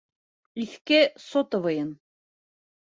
Иҫке сотовыйын.